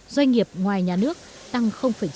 doanh nghiệp ngoài nhà nước tăng chín